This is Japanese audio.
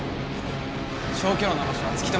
消去炉の場しょはつき止めた！